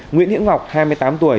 nguyễn hiễn ngọc hai mươi tám tuổi